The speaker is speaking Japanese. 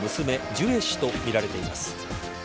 ジュエ氏とみられています。